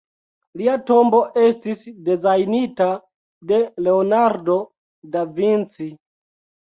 Lia tombo estis dezajnita de Leonardo da Vinci.